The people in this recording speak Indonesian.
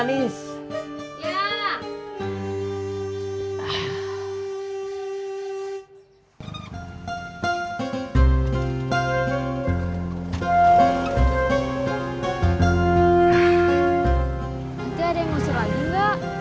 nanti ada yang ngusir lagi enggak